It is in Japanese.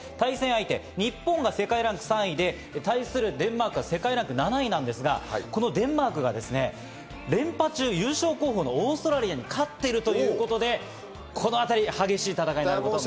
対戦相手は日本が世界ランク３位で対するデンマークは世界ランク７位なんですが、このデンマークが優勝候補のオーストラリアに勝っているということで、このあたり激しい戦いになります。